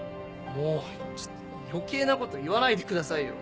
もうちょっと余計なこと言わないでくださいよ。